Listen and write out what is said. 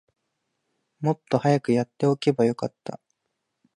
もっと早くやっておけばよかった